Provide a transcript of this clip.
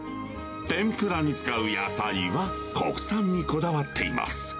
天ぷらに使う野菜は国産にこだわっています。